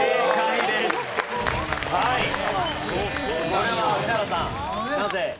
これは宇治原さんなぜ？